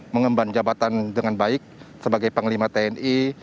mengemban jabatan dengan baik sebagai panglima tni